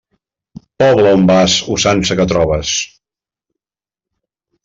Poble on vas, usança que trobes.